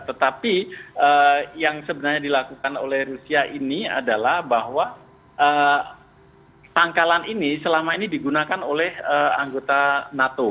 tetapi yang sebenarnya dilakukan oleh rusia ini adalah bahwa pangkalan ini selama ini digunakan oleh anggota nato